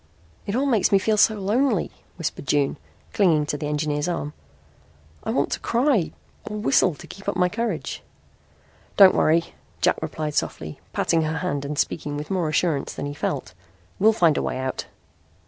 "It all makes me feel so lonely," whispered June, clinging to the engineer's arm. "I want to cry or whistle to keep up my courage." "Don't worry," Jack replied softly, patting her hand and speaking with more assurance than he felt. "We'll find a way out."